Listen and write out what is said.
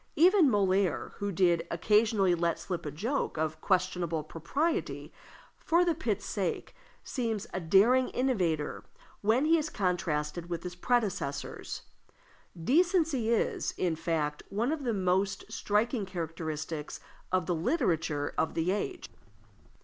Even Molière, who did occasionally let slip a joke of questionable propriety, for the pit's sake, seems a daring innovator when he is contrasted with his predecessors. Decency is, in fact, one of the most striking characteristics of the literature of the age.